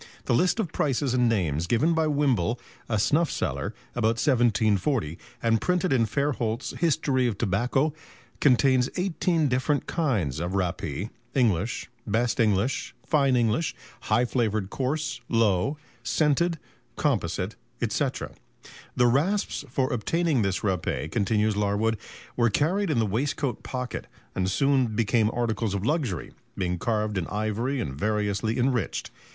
The list of prices and names given by Wimble, a snuff seller, about 1740, and printed in Fairholt's "History of Tobacco," contains eighteen different kinds of rappee English, best English, fine English, high flavoured coarse, low, scented, composite, &c. The rasps for obtaining this râpé, continues Larwood, "were carried in the waistcoat pocket, and soon became articles of luxury, being carved in ivory and variously enriched.